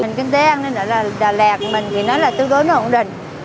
kinh tế an ninh trật tự ở đà lạt thì nó là tư đối nó ổn định